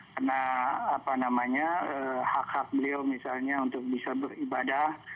karena apa namanya hak hak beliau misalnya untuk bisa beribadah